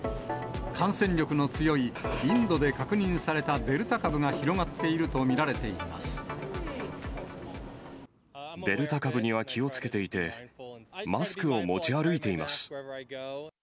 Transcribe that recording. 感染力の強いインドで確認されたデルタ株が広がっていると見られデルタ株には気をつけていて、マスクを持ち歩いています。